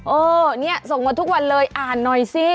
เออเนี่ยส่งมาทุกวันเลยอ่านหน่อยสิ